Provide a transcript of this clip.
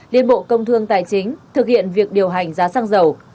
liên bộ công thương tài chính thực hiện việc điều hành giá xăng dầu